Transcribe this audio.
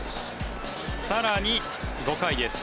更に５回です。